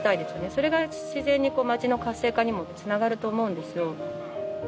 それが自然に町の活性化にも繋がると思うんですよ。